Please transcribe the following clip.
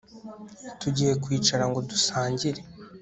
Tugiye kwicara ngo dusangire